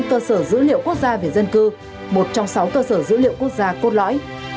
cơ sở dữ liệu quốc gia về dân cư một trong sáu cơ sở dữ liệu quốc gia cốt lõi